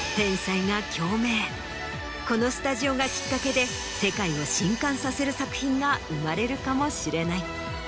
このスタジオがきっかけで世界を震撼させる作品が生まれるかもしれない。